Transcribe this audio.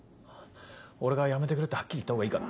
俺が「やめてくれ」ってはっきり言ったほうがいいかな？